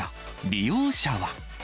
利用者は。